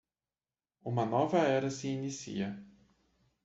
Uma nova era se inicia